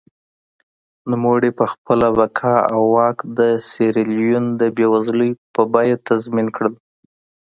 نوموړي خپله بقا او واک د سیریلیون د بېوزلۍ په بیه تضمین کړل.